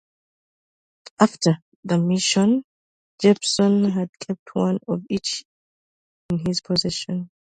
After the mission Jeppson had kept one of each in his possession.